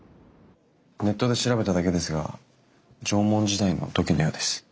ネットで調べただけですが縄文時代の土器のようです。